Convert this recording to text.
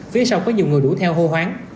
phía sau có nhiều người đuổi theo hô hoáng